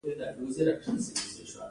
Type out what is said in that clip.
ایا زما اوریدل به ښه شي؟